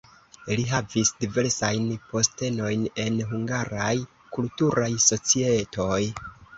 Li havis diversajn postenojn en hungaraj kulturaj societoj.